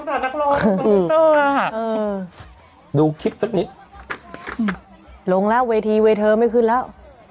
ดูคลิปสักนิดลงแล้วเวทีเวเทอร์ไม่ขึ้นแล้ว